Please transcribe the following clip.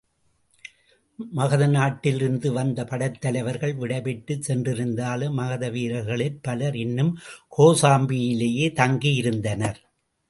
மகத நாட்டிலிருந்து வந்த படைத் தலைவர்கள் விடைபெற்றுச் சென்றிருந்தாலும் மகதவீரர்களிற் பலர் இன்னும் கோசாம்பியிலேயே தங்கியிருந்தனர்.